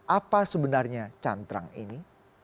apa sebenarnya cantrang ini